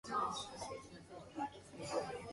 It derived its name from its address, Carlyle Road.